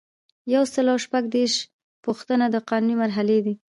یو سل او شپږ دیرشمه پوښتنه د قانون مرحلې دي.